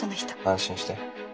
安心して。